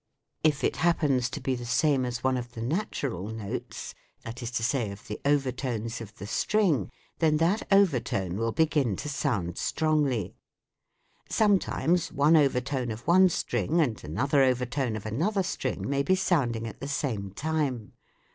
If it happens to be the FIG. 59. ^iolian Harp. same as one of the natural notes, that is to say, of the overtones of the string, then that overtone will begin to sound strongly. Sometimes one over tone of one string and another overtone of an other string may be sounding at the same time.